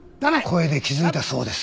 声で気づいたそうです。